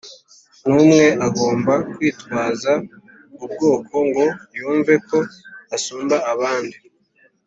n'umwe ugomba kwitwaza ubwo bwoko ngo yumve ko asumba abandi,